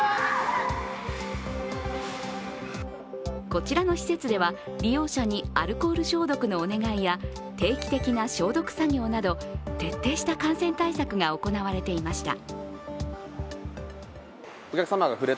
こちらの施設では、利用者にアルコール消毒のお願いや定期的な消毒作業など徹底した感染対策が行われていました。